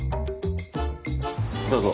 どうぞ。